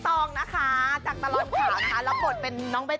น้องกระดาษอีกท่านหนึ่งก็คือด้านนั้น